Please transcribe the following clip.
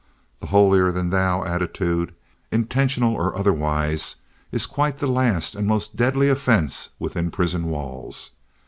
The "holier than thou" attitude, intentional or otherwise, is quite the last and most deadly offense within prison walls.